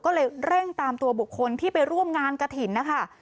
ก็เลยเร่งตามตัวบุคคลที่ไปร่วมงานกระถิ่นนะคะ